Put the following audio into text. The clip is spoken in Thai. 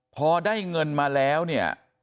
พอได้เงินมาแล้วเนี่ย